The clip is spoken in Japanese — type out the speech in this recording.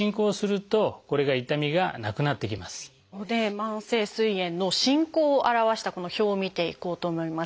慢性すい炎の進行を表したこの表を見ていこうと思います。